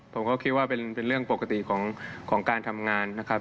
ผมก็คิดว่าเป็นเรื่องปกติของการทำงานนะครับ